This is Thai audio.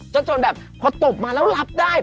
จนแบบพอตบมาแล้วรับได้